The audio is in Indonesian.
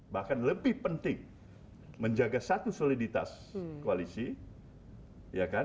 bahkan lebih penting menjaga satu soliditas koalisi